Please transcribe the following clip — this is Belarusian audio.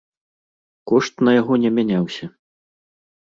Кошт на яго не мяняўся.